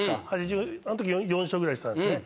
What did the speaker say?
あのとき８４勝ぐらいしてたんですね。